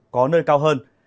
có nơi cao hơn